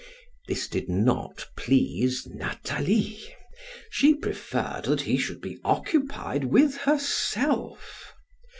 This did not please Nathalie. She preferred that he should be occupied with herself.